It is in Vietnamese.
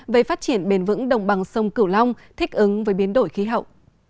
về phát triển bền vững đồng bằng sông cửu long thích ứng với biến đổi khí hậu